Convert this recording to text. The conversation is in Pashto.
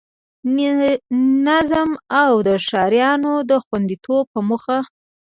نظم او د ښاريانو د خوندیتوب په موخه